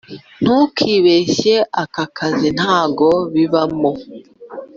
ntukibeshye aka kazi ntago bibamo